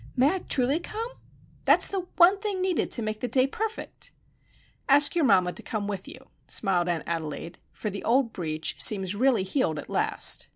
"May I truly come? That's the one thing needed to make the day perfect!" "Ask your mamma to come with you," smiled Aunt Adelaide;—for the old breach seems really healed at last.